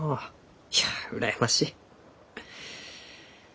いや羨ましい。